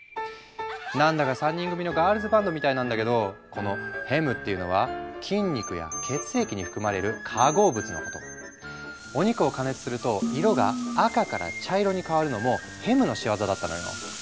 何だか３人組のガールズバンドみたいなんだけどこのヘムっていうのはお肉を加熱すると色が赤から茶色に変わるのもヘムの仕業だったのよ。